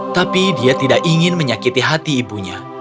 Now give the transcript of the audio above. tapi dia tidak ingin menyakiti hati ibunya